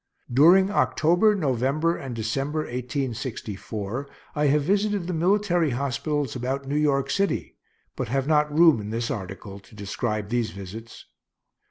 During October, November, and December, 1864, I have visited the military hospitals about New York City, but have not room in this article to describe these visits.